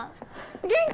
元気？